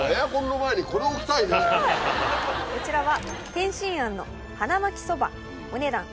こちらは。